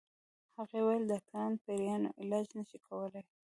هغې ويل ډاکټران د پيريانو علاج نشي کولی